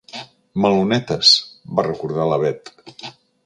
Melonettes! —va recordar la Bet.